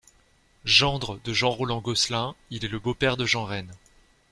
Gendre de Jean Roland-Gosselin, il est le beau-père de Jean Raine.